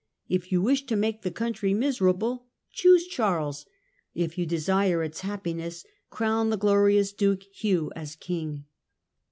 ... If you wish to make the country miserable, choose Charles. If you desire its happiness, crown the glorious duke Hugh as king."